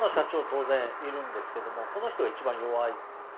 当然いるんですけどもこの人がいちばん弱い。